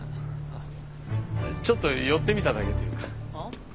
ちょっと寄ってみただけというか。